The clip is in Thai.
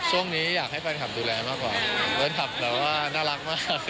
ช่วงนี้อยากให้แฟนคลับดูแลมากกว่าแฟนคลับแบบว่าน่ารักมาก